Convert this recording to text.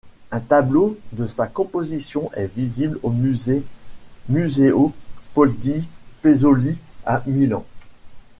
Un tableau de sa composition est visible au musée Museo Poldi Pezzoli à Milan.